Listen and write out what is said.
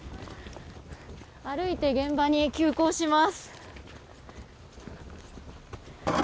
歩いて現場に急行します。